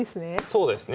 そうですね。